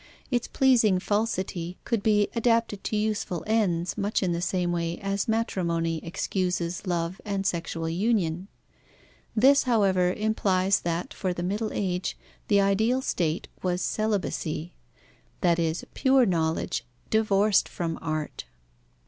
Its pleasing falsity could be adapted to useful ends, much in the same way as matrimony excuses love and sexual union. This, however, implies that for the Middle Age the ideal state was celibacy; that is, pure knowledge, divorced from art.